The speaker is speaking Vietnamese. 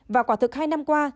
và quả thực hai năm qua